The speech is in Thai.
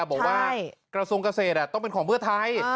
บอกว่ากระทรวงเกษตรต้องเป็นของเพื่อไทย